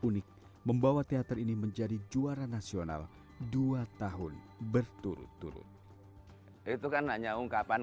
unik membawa teater ini menjadi juara nasional dua tahun berturut turut itu kan hanya ungkapan